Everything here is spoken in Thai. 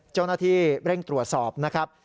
เจ้าหน้าที่เร่งตรวจสอบนะครับ